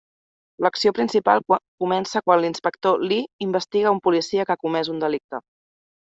L'acció principal comença quan l'Inspector Li investiga un policia que ha comès un delicte.